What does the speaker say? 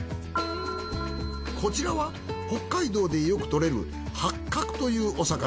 こちらは北海道でよく獲れる八角というお魚。